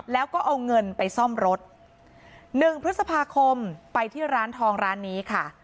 แล้วก็เอาเงินไปซ่อมรถหนึ่งพฤษภาคมไปที่ร้านทองร้านนี้ค่ะ